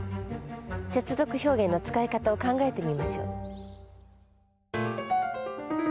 接続表現の使い方を考えてみましょう。